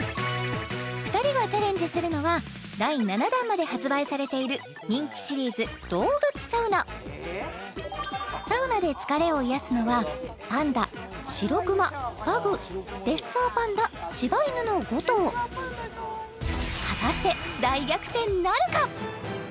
２人がチャレンジするのは第７弾まで発売されている人気シリーズどうぶつサウナサウナで疲れを癒やすのはパンダシロクマパグレッサーパンダ柴犬の５頭果たして大逆転なるか⁉